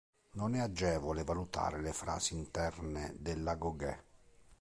Non è agevole valutare le fasi interne dell'agoghé.